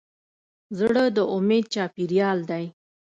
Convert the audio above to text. زړه د امید چاپېریال دی.